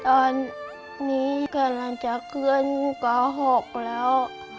ตอนนี้กำลังจะขึ้น๙๖แล้ว